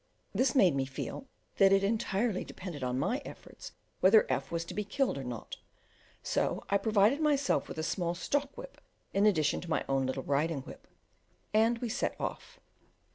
This made me feel that it entirely depended on my efforts whether F was to be killed or not, so I provided myself with a small stock whip in addition to my own little riding whip, and we set off.